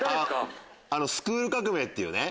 『スクール革命！』っていうね。